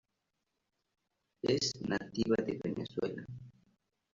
Es nativa de Venezuela.